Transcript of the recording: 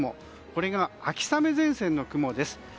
これが秋雨前線の雲です。